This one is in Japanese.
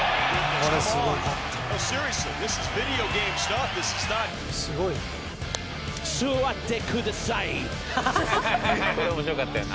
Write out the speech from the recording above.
これ面白かったよな」